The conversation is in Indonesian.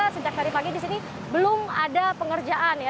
sejak tadi pagi di sini belum ada pengerjaan ya